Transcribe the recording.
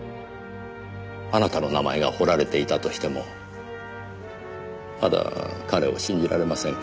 あなたの名前が彫られていたとしてもまだ彼を信じられませんか？